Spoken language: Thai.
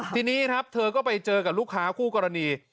ทีนี้ครับเธอก็ไปเจอกับลูกค้าคู่กรณี